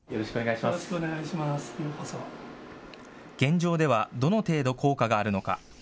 現状ではどの程度効果があるのか。